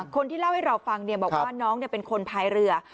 คนที่เล่าให้เราฟังบอกว่าน้องเป็นคนพายเรือ